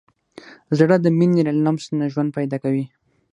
زړه د مینې له لمس نه ژوند پیدا کوي.